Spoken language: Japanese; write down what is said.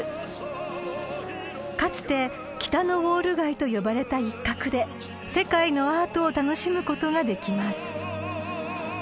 ［かつて北のウォール街と呼ばれた一角で世界のアートを楽しむことができます］